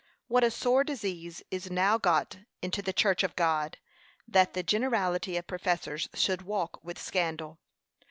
What a sore disease is now got into the church of God, that the generality of professors should walk with scandal!